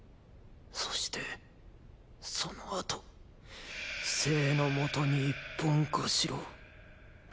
そしてその後政の下に一本化しろ。